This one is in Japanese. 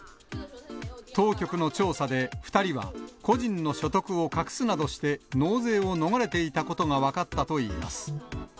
当局の調査で、２人は個人の所得を隠すなどして、納税を逃れていたことが分かったといいます。